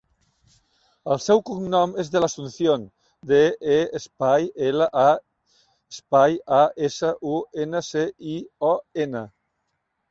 El seu cognom és De La Asuncion: de, e, espai, ela, a, espai, a, essa, u, ena, ce, i, o, ena.